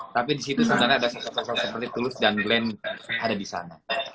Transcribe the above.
tapi disitu sebenarnya ada sosok sosok seperti dulus dan glenn ada disana